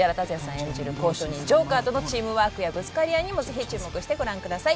演じる交渉人ジョーカーとのチームワークやぶつかり合いにもぜひ注目してご覧ください